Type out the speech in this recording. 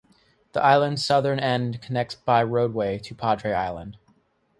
The island's southern end connects by roadway to Padre Island.